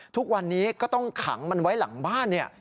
ทุกวันนี้ก็ต้องขังมันไว้หลังบ้านเนี่ย